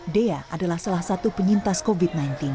dea adalah salah satu penyintas covid sembilan belas